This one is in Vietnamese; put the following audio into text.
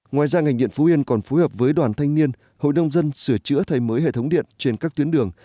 ngoài ra ngành điện phú yên còn phối hợp với đoàn thanh niên hội nông dân sửa chữa thay mới hệ thống điện trên các tuyến đường